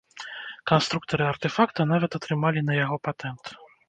Канструктары артэфакта нават атрымалі на яго патэнт.